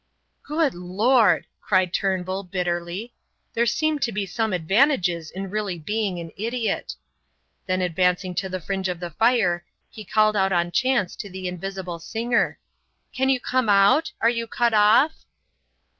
"Good Lord!" cried Turnbull, bitterly, "there seem to be some advantages in really being an idiot." Then advancing to the fringe of the fire he called out on chance to the invisible singer: "Can you come out? Are you cut off?"